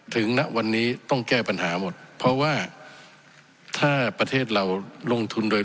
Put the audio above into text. ณวันนี้ต้องแก้ปัญหาหมดเพราะว่าถ้าประเทศเราลงทุนโดย